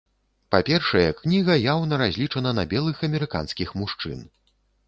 Па-першае, кніга яўна разлічана на белых амерыканскіх мужчын.